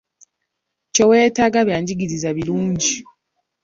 Kye wetaaga bya njigiriza birungi.